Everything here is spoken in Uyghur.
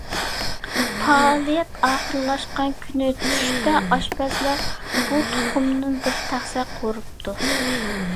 پائالىيەت ئاخىرلاشقان كۈنى چۈشتە، ئاشپەزلەر بۇ تۇخۇمدىن بىر تەخسە قورۇپتۇ.